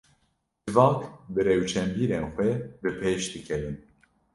Civak, bi rewşenbîrên xwe bipêş dikevin